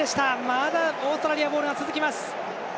まだオーストラリアボールが続きます。